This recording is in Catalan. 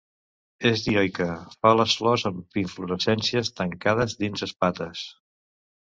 És dioica, fa les flors en inflorescències tancades dins espates.